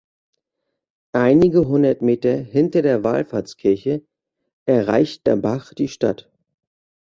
Einige hundert Meter hinter der Wallfahrtskirche erreicht der Bach die Stadt.